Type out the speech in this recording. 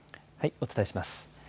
お伝えします。